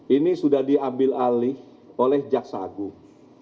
ini sudah diambil alih oleh jaksa agung